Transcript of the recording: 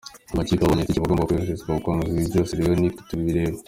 Amakipe abonye tike aba agomba koroherezwa gukomeza, ibi byose rero ni twe bireba.